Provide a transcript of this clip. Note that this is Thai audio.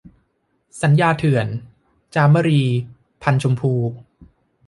สัญญาเถื่อน - จามรี พรรณชมพู